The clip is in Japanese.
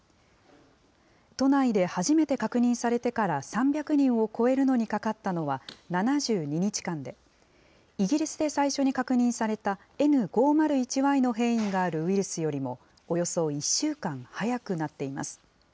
都内で初めて確認されてから３００人を超えるのにかかったのは７２日間で、イギリスで最初に確認されたＮ５０１Ｙの変異があるウイルスよりも、およそ１週間早くなっています。